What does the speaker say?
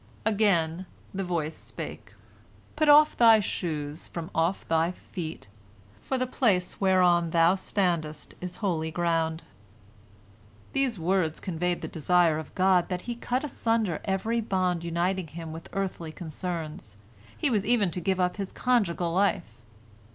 Again the voice spake: "Put off thy shoes from off thy feet, for the place whereon thou standest is holy ground." These words conveyed the desire of God that he cut asunder every bond uniting him with earthly concerns, he was even to give up his conjugal life.